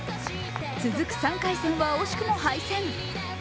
続く３回戦は惜しくも敗戦。